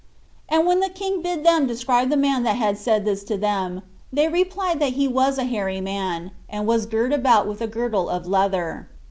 And when the king bid them describe the man that said this to them, they replied that he was a hairy man, and was girt about with a girdle of leather.